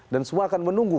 dan semua akan menunggu